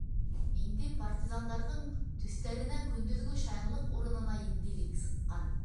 Инде партизандарҙың төҫтәренә көндөҙгө шаянлыҡ урынына етдилек сыҡҡан.